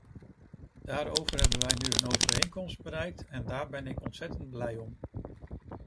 Daarover hebben we nu een overeenkomst bereikt en daar ben ik ontzettend blij om.